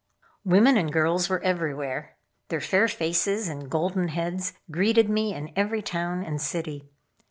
Women and girls were everywhere. Their fair faces and golden heads greeted me in every town and city.